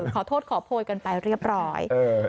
ขอโทษขอโพยกันไปเรียบร้อย